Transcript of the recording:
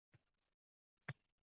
Xullas, o`g`li ham ketipti